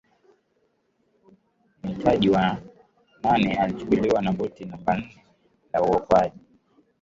mhitaji wa nane alichukuliwa na boti namba nne ya uokoaji